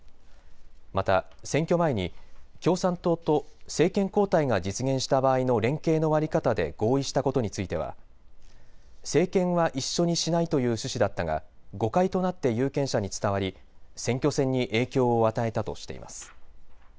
また、選挙前に共産党と政権交代が実現した場合の連携の在り方で合意したことについては政権は一緒にしないという趣旨だったが誤解となって有権者に伝わり選挙戦に影響を与えたとしています。